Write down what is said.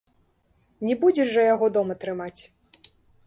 Не будзеш жа яго дома трымаць!